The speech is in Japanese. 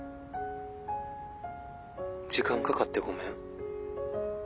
時間かかってごめん。